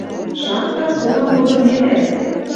— Шакта, солам кодынедӓ.